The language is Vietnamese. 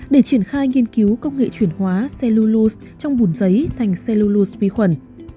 để triển khai nghiên cứu công nghệ chuyển hóa cellulose trong bùn giấy thành cellulose vi khuẩn